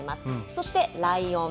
そしてライオン。